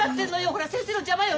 ほら先生の邪魔よ。